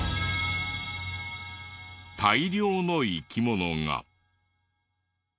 大量の生き物が。